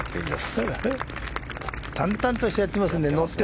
淡々としてやってますね。